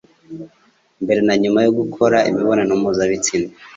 mbere na nyuma yo gukora imibonano mpuzabitsina